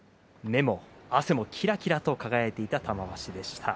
目も汗もきらきら輝いていた玉鷲関です。